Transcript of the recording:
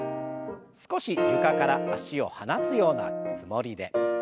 少し床から脚を離すようなつもりで。